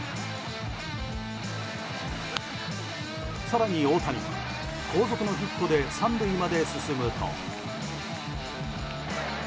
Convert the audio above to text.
更に大谷は後続のヒットで３塁まで進むと。